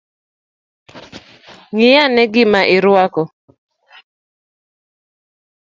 Ngi ane gima irwako